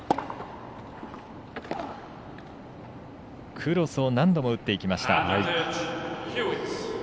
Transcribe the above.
クロスを何度も打っていきました。